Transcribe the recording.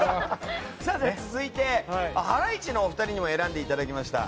続いて、ハライチのお二人にも選んでいただきました。